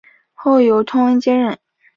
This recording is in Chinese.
后由通恩接任。